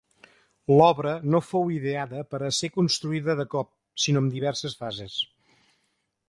L'obra no fou ideada per a ser construïda de cop sinó en diverses fases.